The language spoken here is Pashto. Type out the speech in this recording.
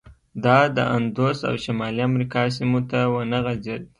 دا د اندوس او شمالي امریکا سیمو ته ونه غځېد.